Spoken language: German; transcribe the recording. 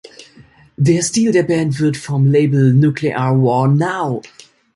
Der Stil der Band wird vom Label "Nuclear War Now!